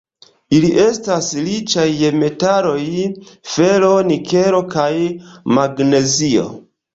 Ili estas riĉaj je metaloj: fero, nikelo kaj magnezio.